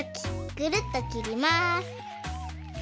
ぐるっときります。